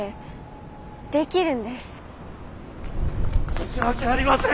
申し訳ありません！